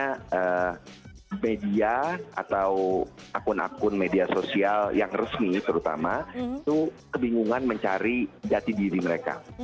karena media atau akun akun media sosial yang resmi terutama itu kebingungan mencari jati diri mereka